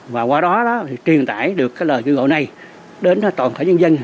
và qua đó truyền tải được cái lời kêu gọi này đến toàn thể nhân dân